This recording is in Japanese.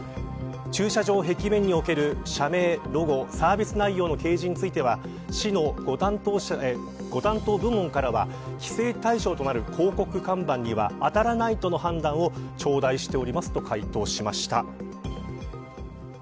駐車場壁面における社名ロゴ、サービス内容の掲示については市のご担当部門からは規制対象となる広告看板には当たらないとの判断を頂戴しておりますと回答しました。